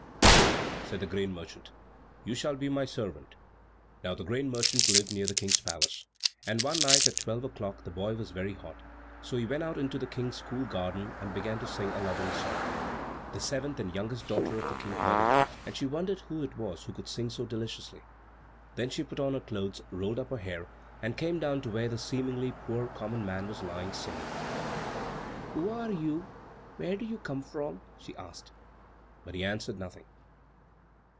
"Good," said the grain merchant, "you shall be my servant." Now the grain merchant lived near the King's palace, and one night at twelve o'clock the boy was very hot; so he went out into the King's cool garden, and began to sing a lovely song. The seventh and youngest daughter of the King heard him, and she wondered who it was who could sing so deliciously. Then she put on her clothes, rolled up her hair, and came down to where the seemingly poor common man was lying singing. "Who are you? where do you come from?" she asked. But he answered nothing.